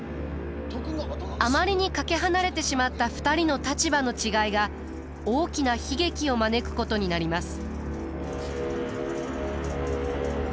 あまりにかけ離れてしまった２人の立場の違いが大きな悲劇を招くことになります。